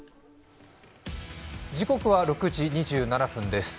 時刻は６時２７分です。